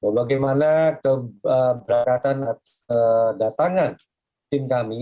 bagaimana keberangkatan atau datangan tim kami